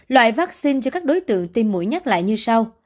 loại vaccine cho các đối tượng tiêm mũi nhắc lại như sau